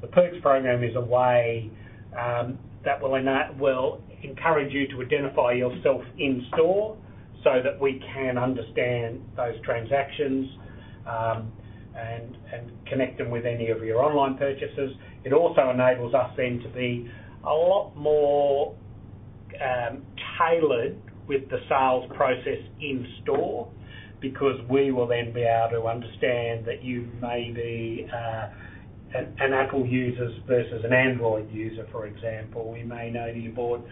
[SPEAKER 1] The Perks Program is a way that will encourage you to identify yourself in store so that we can understand those transactions and connect them with any of your online purchases. It also enables us then to be a lot more tailored with the sales process in store because we will then be able to understand that you may be an Apple users versus an Android user, for example. We may know that you bought,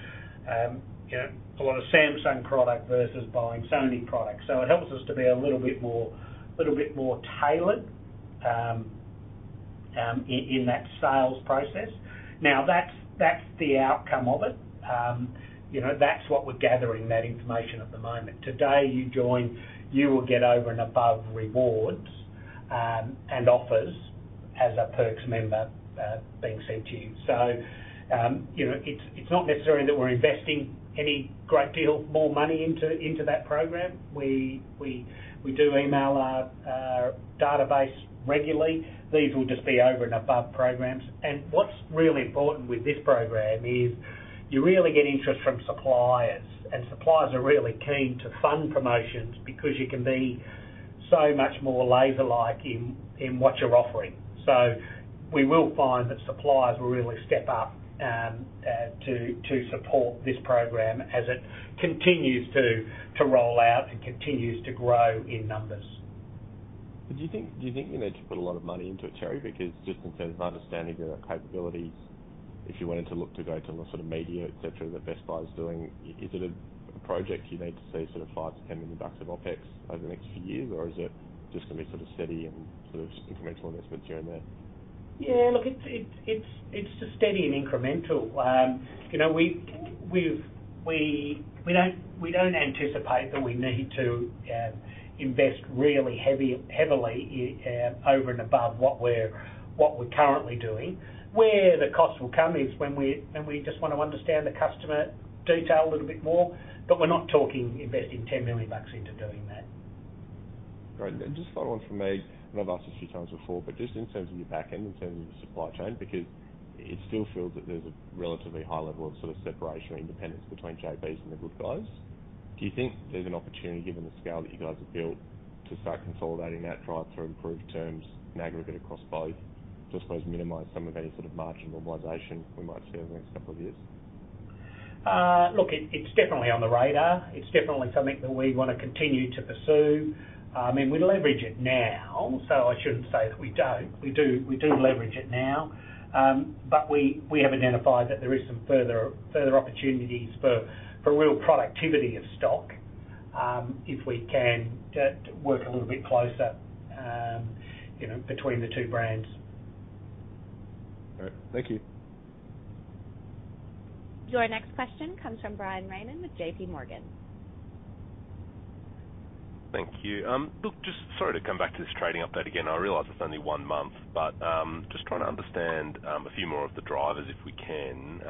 [SPEAKER 1] you know, a lot of Samsung product versus buying Sony product. It helps us to be a little bit more, little bit more tailored in that sales process. That's the outcome of it. You know, that's what we're gathering that information at the moment. Today, you join, you will get over and above rewards and offers as a Perks member being sent to you. You know, it's not necessarily that we're investing any great deal more money into that program. We do email our database regularly. These will just be over and above programs. What's really important with this program is you really get interest from suppliers, and suppliers are really keen to fund promotions because you can be so much more laser-like in what you're offering. You know, we will find that suppliers will really step up to support this program as it continues to roll out and continues to grow in numbers.
[SPEAKER 9] Do you think you need to put a lot of money into it, Terry? Just in terms of understanding your capabilities, if you wanted to look to go to a sort of media, et cetera, that Best Buy is doing, is it a project you need to see sort of 5 million-10 million bucks of OpEx over the next few years? Or is it just gonna be sort of steady and sort of incremental investments here and there?
[SPEAKER 1] Yeah. Look, it's steady and incremental. You know, we don't anticipate that we need to invest really heavily over and above what we're currently doing. Where the cost will come is when we just wanna understand the customer detail a little bit more, but we're not talking investing 10 million bucks into doing that.
[SPEAKER 9] Great. Just follow on from me, and I've asked this a few times before, but just in terms of your back end, in terms of your supply chain, because it still feels that there's a relatively high level of sort of separation or independence between JB's and The Good Guys. Do you think there's an opportunity, given the scale that you guys have built, to start consolidating that drive to improve terms in aggregate across both, just suppose minimize some of any sort of margin normalization we might see over the next couple of years?
[SPEAKER 1] Look, it's definitely on the radar. It's definitely something that we wanna continue to pursue. I mean, we leverage it now, so I shouldn't say that we don't. We do leverage it now. We have identified that there is some further opportunities for real productivity of stock if we can work a little bit closer, you know, between the two brands.
[SPEAKER 9] All right. Thank you.
[SPEAKER 4] Your next question comes from Bryan Raymond with JPMorgan.
[SPEAKER 10] Thank you. Look, just sorry to come back to this trading update again. I realize it's only one month. Just trying to understand a few more of the drivers, if we can.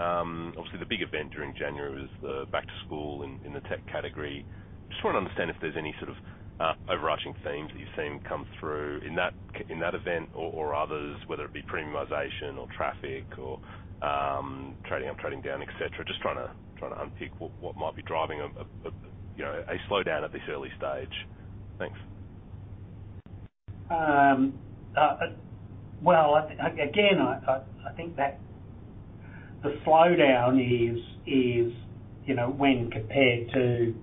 [SPEAKER 10] Obviously the big event during January was the back to school in the tech category. Just wanna understand if there's any sort of overarching themes that you've seen come through in that event or others, whether it be premiumization or traffic or trading up, trading down, et cetera. Just trying to unpick what might be driving a, you know, a slowdown at this early stage. Thanks.
[SPEAKER 1] Well, again, I think that the slowdown is, you know, when compared to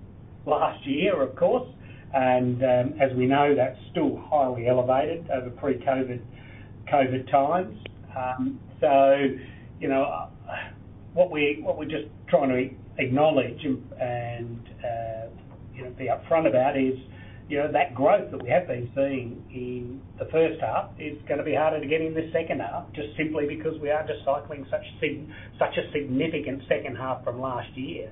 [SPEAKER 1] last year, of course. As we know, that's still highly elevated over pre-COVID, COVID times. You know, what we're just trying to acknowledge and, you know, be upfront about is, you know, that growth that we have been seeing in the first half is gonna be harder to get in the second half, just simply because we are just cycling such a significant second half from last year.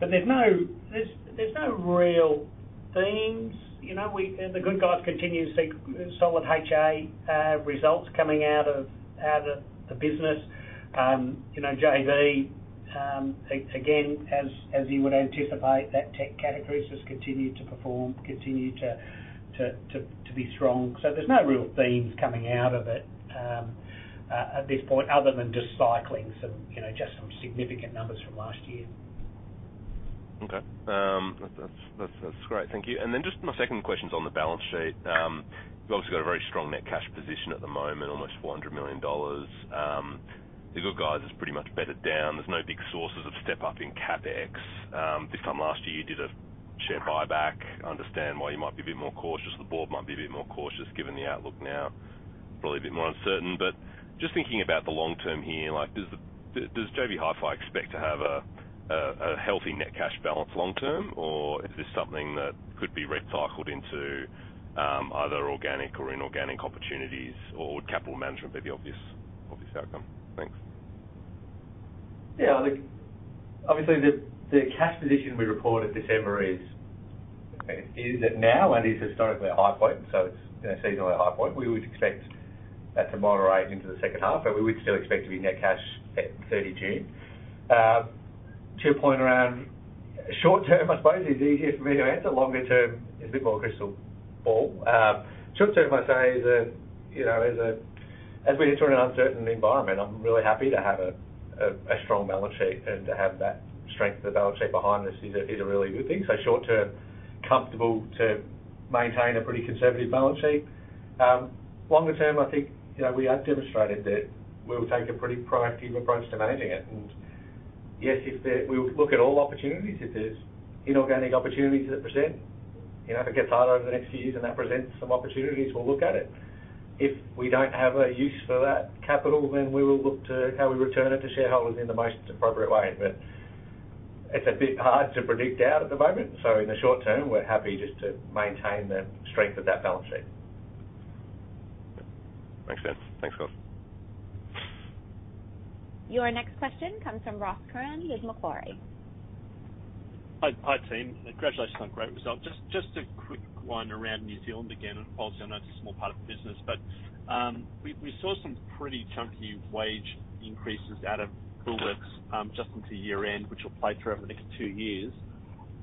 [SPEAKER 1] There's no real themes. You know, The Good Guys continue to see solid HA results coming out of the business. You know, JB, again, as you would anticipate, that tech category has just continued to perform, continued to be strong. There's no real themes coming out of it, at this point other than just cycling some, you know, just some significant numbers from last year.
[SPEAKER 10] Okay. That's great. Thank you. Just my second question is on the balance sheet. You've obviously got a very strong net cash position at the moment, almost 400 million dollars. The Good Guys is pretty much bedded down. There's no big sources of step up in CapEx. This time last year, you did a share buyback. Understand why you might be a bit more cautious. The board might be a bit more cautious given the outlook now, probably a bit more uncertain. Just thinking about the long term here, like, does JB Hi-Fi expect to have a healthy net cash balance long term? Or is this something that could be recycled into either organic or inorganic opportunities, or would capital management be the obvious outcome? Thanks.
[SPEAKER 1] Yeah, I think obviously the cash position we reported December is at now and is historically a high point, so it's a seasonally high point. We would expect that to moderate into the second half, but we would still expect to be net cash at 30 June. To your point around short term, I suppose, is easier for me to answer. Longer term is a bit more crystal ball. Short term, I'd say is a, you know, as we enter an uncertain environment, I'm really happy to have a strong balance sheet and to have that strength of the balance sheet behind us is a really good thing. Short term, comfortable to maintain a pretty conservative balance sheet. Longer term, I think, you know, we have demonstrated that we'll take a pretty proactive approach to managing it. Yes, we'll look at all opportunities. If there's inorganic opportunities that present, you know, if it gets harder over the next few years and that presents some opportunities, we'll look at it. If we don't have a use for that capital, then we will look to how we return it to shareholders in the most appropriate way. It's a bit hard to predict out at the moment. In the short term, we're happy just to maintain the strength of that balance sheet.
[SPEAKER 10] Makes sense. Thanks, guys.
[SPEAKER 4] Your next question comes from Ross Curran with Macquarie.
[SPEAKER 11] Hi, team. Congratulations on great results. Just a quick one around New Zealand again. Obviously, I know it's a small part of the business, but we saw some pretty chunky wage increases out of Woolworths just into year-end, which will play through over the next two years.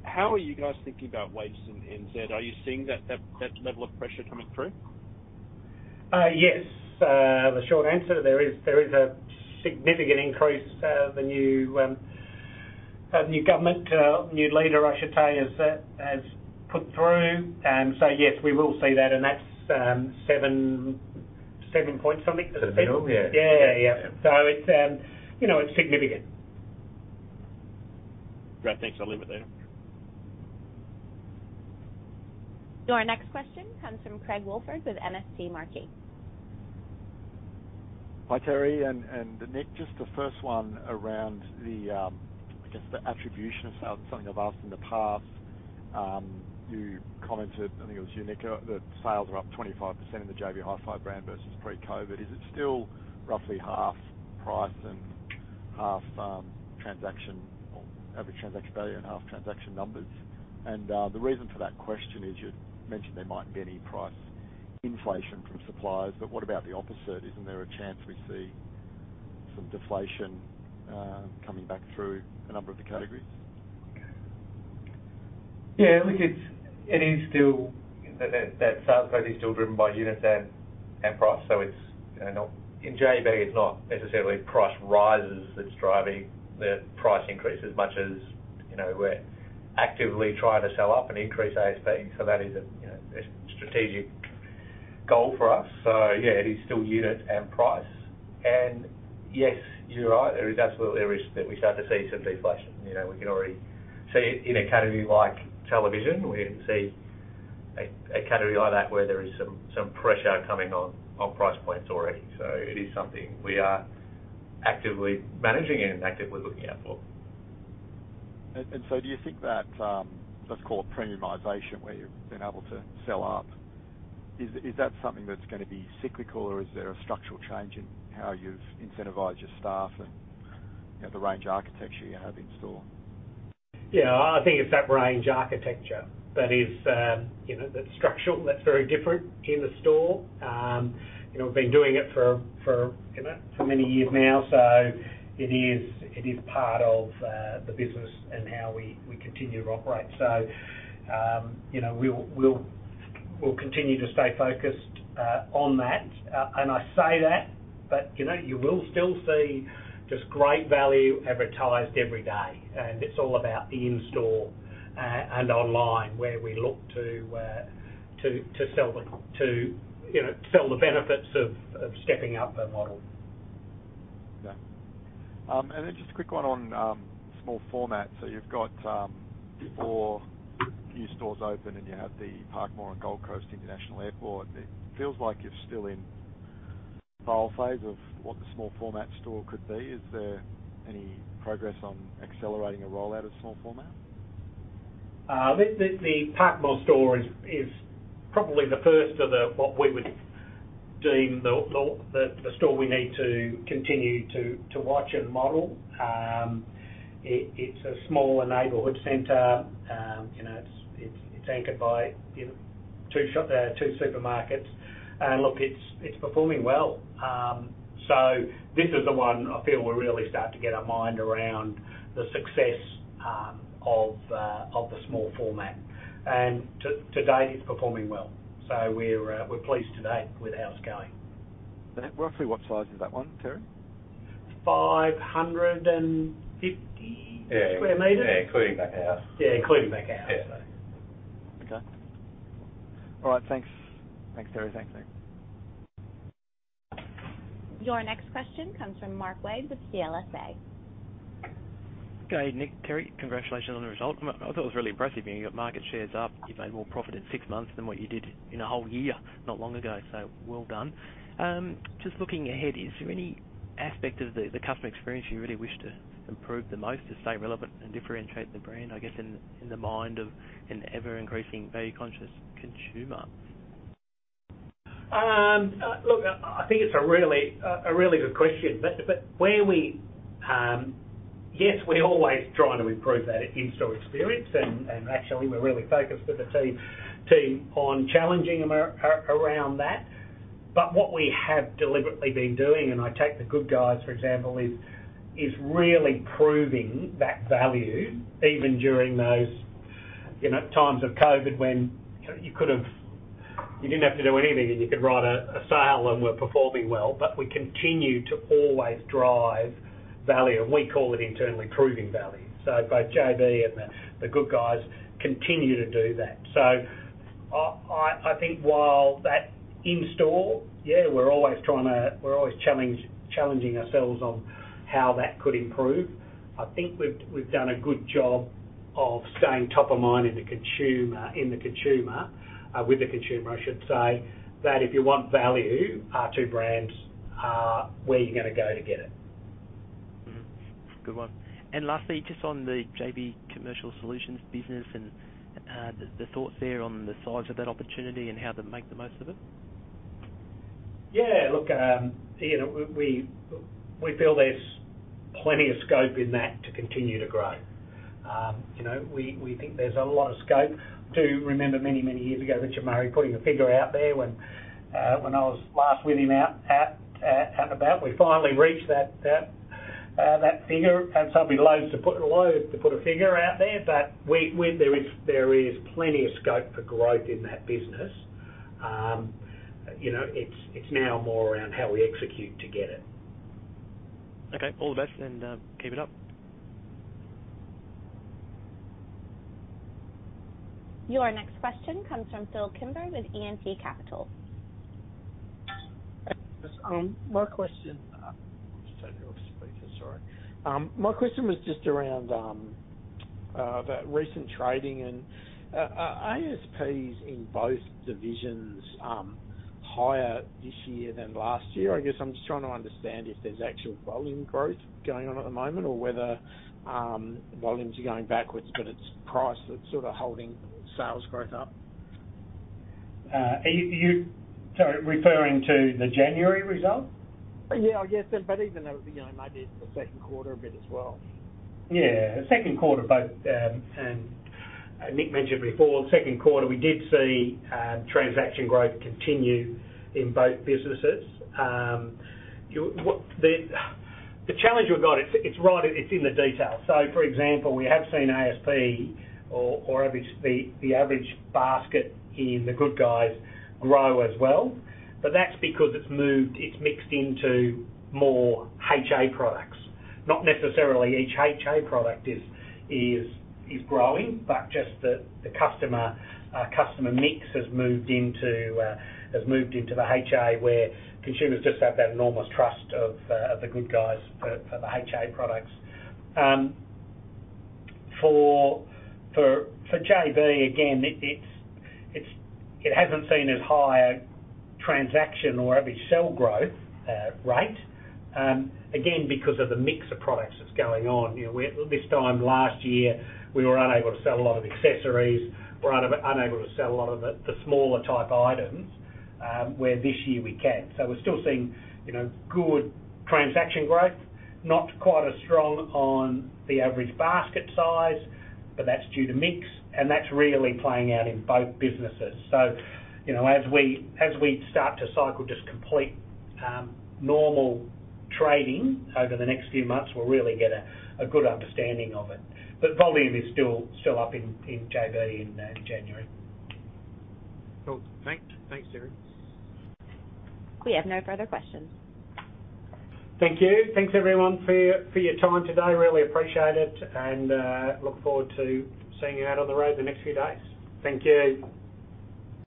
[SPEAKER 11] How are you guys thinking about wages in NZ? Are you seeing that level of pressure coming through?
[SPEAKER 1] Yes. The short answer, there is a significant increase. The new government, new leader, I should say, has put through. Yes, we will see that's seven point something.
[SPEAKER 11] To the middle? Yeah.
[SPEAKER 1] Yeah. Yeah. Yeah. It's you know, it's significant.
[SPEAKER 11] Great. Thanks. I'll leave it there.
[SPEAKER 4] Our next question comes from Craig Woolford with MST Marquee.
[SPEAKER 12] Hi, Terry and Nick. Just the first one around the, I guess, the attribution of sales, something I've asked in the past. You commented, I think it was you, Nick, that sales are up 25% in the JB Hi-Fi brand versus pre-COVID. Is it still roughly half price and half transaction or average transaction value and half transaction numbers? The reason for that question is you'd mentioned there mightn't be any price inflation from suppliers, but what about the opposite? Isn't there a chance we see some deflation coming back through a number of the categories?
[SPEAKER 3] Yeah, look, it is still... That sales growth is still driven by units and price. It's, you know, in JB, it's not necessarily price rises that's driving the price increase as much as, you know, we're actively trying to sell up and increase ASP. That is a, you know, a strategic goal for us. Yeah, it is still unit and price. Yes, you're right. There is absolutely a risk that we start to see some deflation. You know, we can already see it in a category like television. We see a category like that where there is some pressure coming on price points already. It is something we are actively managing and actively looking out for.
[SPEAKER 12] Do you think that, let's call it premiumization, where you've been able to sell up, is that something that's gonna be cyclical, or is there a structural change in how you've incentivized your staff and, you know, the range architecture you have in store?
[SPEAKER 1] Yeah, I think it's that range architecture that is, you know, that's structural, that's very different in the store. You know, we've been doing it for, you know, for many years now, so it is, it is part of the business and how we continue to operate. You know, we'll continue to stay focused on that. I say that, but you know, you will still see just great value advertised every day. It's all about the in-store and online where we look to sell the, you know, sell the benefits of stepping up the model.
[SPEAKER 12] Yeah. Just a quick one on small format. You've got four new stores open, and you have the Parkmore and Gold Coast International Airport. It feels like you're still in trial phase of what the small format store could be. Is there any progress on accelerating a rollout of small format?
[SPEAKER 1] The Parkmore store is probably the first of the, what we would deem the store we need to continue to watch and model. It's a smaller neighborhood center. You know, it's anchored by, you know, two shop, two supermarkets. Look, it's performing well. This is the one I feel we're really starting to get our mind around the success of the small format. To date, it's performing well. We're pleased to date with how it's going.
[SPEAKER 12] Roughly what size is that one, Terry?
[SPEAKER 1] 550 square meters.
[SPEAKER 3] Yeah, including that house.
[SPEAKER 1] Yeah, including that house.
[SPEAKER 3] Yeah.
[SPEAKER 12] Okay. All right, thanks. Thanks, Terry. Thanks, Nick.
[SPEAKER 4] Your next question comes from Mark Wade with CLSA.
[SPEAKER 13] Okay, Nick, Terry, congratulations on the result. I thought it was really impressive. You know, your market share's up. You've made more profit in six months than what you did in a whole year not long ago, so well done. Just looking ahead, is there any aspect of the customer experience you really wish to improve the most to stay relevant and differentiate the brand, I guess, in the mind of an ever-increasing value-conscious consumer?
[SPEAKER 1] Look, I think it's a really good question. Where we, yes, we're always trying to improve that in-store experience. Actually, we're really focused with the team on challenging around that. What we have deliberately been doing, and I take The Good Guys, for example, is really proving that value even during those, you know, times of COVID when you didn't have to do anything, and you could write a sale, and we're performing well. We continue to always drive value, and we call it internally proving value. Both JB and The Good Guys continue to do that. I, I think while that in-store, yeah, we're always challenging ourselves on how that could improve. I think we've done a good job of staying top of mind in the consumer, with the consumer, I should say, that if you want value, our two brands are where you're gonna go to get it.
[SPEAKER 13] Mm-hmm. Good one. Lastly, just on the JB Hi-Fi Solutions business and the thoughts there on the size of that opportunity and how to make the most of it?
[SPEAKER 1] Yeah. Look, you know, we feel there's plenty of scope in that to continue to grow. You know, we think there's a lot of scope. Do remember many, many years ago, Richard Murray putting a figure out there when I was last with him out and about. We finally reached that figure. It'll be loath to put a figure out there. We there is plenty of scope for growth in that business. You know, it's now more around how we execute to get it.
[SPEAKER 13] Okay. All the best, and keep it up.
[SPEAKER 4] Your next question comes from Phil Kimber with E&P Capital.
[SPEAKER 14] My question, just take it off speaker, sorry. My question was just around the recent trading and ASPs in both divisions, higher this year than last year. I guess I'm just trying to understand if there's actual volume growth going on at the moment or whether volumes are going backwards, but it's price that's sort of holding sales growth up.
[SPEAKER 1] Are you sorry, referring to the January result?
[SPEAKER 14] Yeah. Yes, even though, you know, maybe the second quarter a bit as well.
[SPEAKER 1] Yeah. Second quarter, Nick mentioned before, second quarter, we did see transaction growth continue in both businesses. The challenge we've got, it's right, it's in the detail. For example, we have seen ASP or average, the average basket in The Good Guys grow as well, but that's because it's moved, it's mixed into more HA products. Not necessarily each HA product is growing, but just the customer mix has moved into the HA where consumers just have that enormous trust of The Good Guys for the HA products. For JB, again, it hasn't seen as high a transaction or average sell growth rate again, because of the mix of products that's going on. You know, this time last year, we were unable to sell a lot of accessories. We're unable to sell a lot of the smaller type items, where this year we can. We're still seeing, you know, good transaction growth, not quite as strong on the average basket size, but that's due to mix, and that's really playing out in both businesses. You know, as we start to cycle just complete normal trading over the next few months, we'll really get a good understanding of it. Volume is still up in JB in January.
[SPEAKER 14] Cool. Thanks. Thanks, Darren.
[SPEAKER 4] We have no further questions.
[SPEAKER 1] Thank you. Thanks everyone for your time today. Really appreciate it. Look forward to seeing you out on the road the next few days. Thank you.